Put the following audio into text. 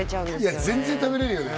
いや全然食べれるよね